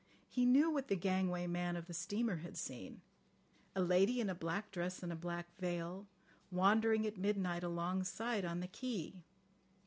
He knew what the gangway man of the steamer had seen: "A lady in a black dress and a black veil, wandering at midnight alongside, on the quay.